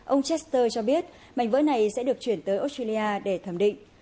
ông chester cho biết mảnh vỡ này sẽ được chuyển tới australia để thẩm định